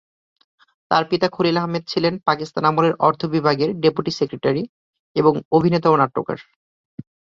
তার পিতা খলিল আহমেদ ছিলেন পাকিস্তান আমলের অর্থ বিভাগের ডেপুটি সেক্রেটারি এবং অভিনেতা ও নাট্যকার।